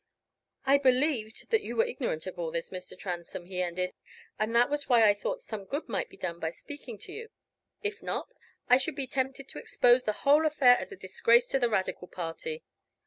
"I believed that you were ignorant of all this, Mr. Transome," he ended, "and that was why I thought some good might be done by speaking to you. If not, I should be tempted to expose the whole affair as a disgrace to the Radical party.